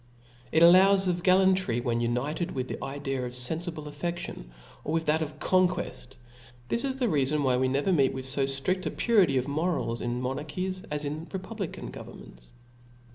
It allows of gallantry when united with the idea of fenfible affedion, or with that of conqueft \ this is the reafon why we never meet with fo ftrift a purity of morals in monarchies, as in republican governments.